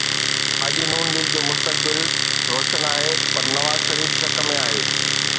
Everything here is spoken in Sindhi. اڄ نون ليگ جو مستقبل روشن آهي پر نواز شريف شڪ ۾ آهي